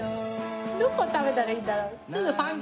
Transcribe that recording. どこ食べたらいいんだろう？